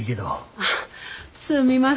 あっすみません